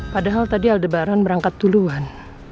padahal tadi aldebaran berangkat duluan